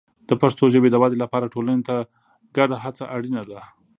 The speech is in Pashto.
د پښتو ژبې د ودې لپاره ټولنې ته ګډه هڅه اړینه ده.